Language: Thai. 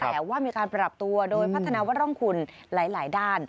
แต่ว่ามีการปรับตัวโดยพัฒนาวร่องคุณหลายด้าน